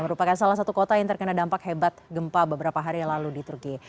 merupakan salah satu kota yang terkena dampak hebat gempa beberapa hari yang lalu di turki